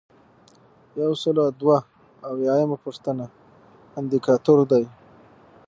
یو سل او دوه اویایمه پوښتنه اندیکاتور دی.